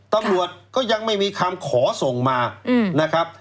ตำรวจก็ยังไม่มีคำขอส่งมานะครับ